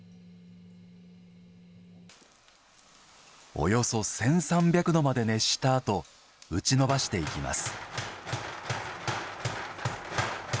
およそ１３００度まで熱したあと打ち延ばしていきます。